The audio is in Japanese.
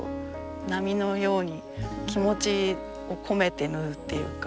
波のように気持ちを込めて縫うっていうか